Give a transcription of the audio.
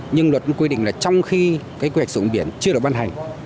nhưng luật cũng quy định là trong khi cái quy hoạch sử dụng biển chưa được ban hành